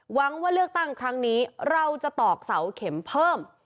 หวังว่าเลือกตั้งครั้งนี้เราจะตอกเสาเข็มเพิ่ม